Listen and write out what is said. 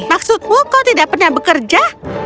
maksudku kau tidak pernah bekerja